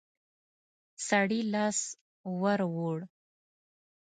سړي لاس ور ووړ.